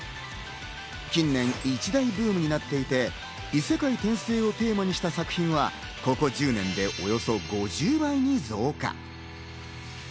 近年、一大ブームになっていて、異世界転生をテーマにした作品はここ１０年でおよそ５０倍に増加。